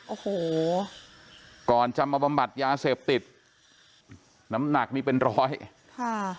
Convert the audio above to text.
โอ้โหก่อนจะมาบำบัดยาเสพติดน้ำหนักนี่เป็นร้อยค่ะ